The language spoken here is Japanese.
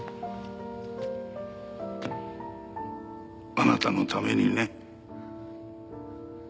あなたのためにね。